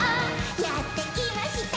「やってきました！」